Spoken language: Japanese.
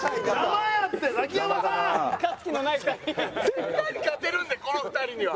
絶対勝てるんでこの２人には。